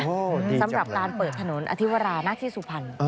โอ้ดีจังเลยสำหรับการเปิดถนนอธิวรานาฬิกาสุพรรณ